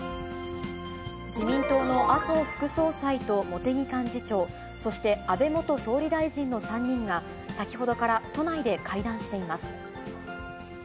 自民党の麻生副総裁と茂木幹事長、そして安倍元総理大臣の３人が、先ほどから都内で会談しています。